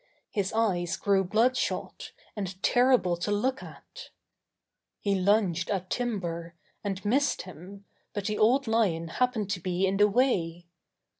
His eyes grew blood shot and terrible to look at. He lunged at Timber, and missed him, but the Old Lion happened to be in the way.